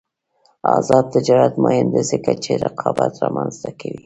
آزاد تجارت مهم دی ځکه چې رقابت رامنځته کوي.